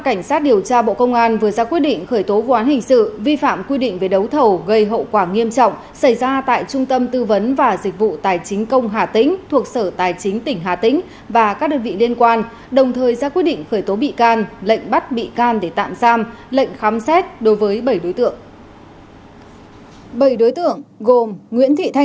cảnh sát điều tra bộ công an vừa ra quyết định khởi tố quán hình sự vi phạm quy định về đấu thầu gây hậu quả nghiêm trọng xảy ra tại trung tâm tư vấn và dịch vụ tài chính công hà tĩnh thuộc sở tài chính tỉnh hà tĩnh và các đơn vị liên quan đồng thời ra quyết định khởi tố bị can lệnh bắt bị can để tạm giam lệnh khám xét đối với bảy đối tượng